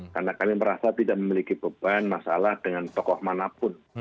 karena kami merasa tidak memiliki beban masalah dengan tokoh manapun